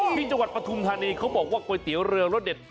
พี่จังหวัดปทุมธานีเค้าบอกว่าโกยเตี๋ยวเรือรอดเจ็ด